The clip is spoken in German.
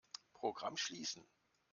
Programm schließen.